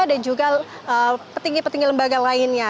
dan juga petinggi petinggi lembaga lainnya